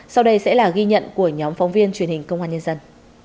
sau đây sẽ là ghi nhận của nhóm phóng viên truyền hình công an nhân dân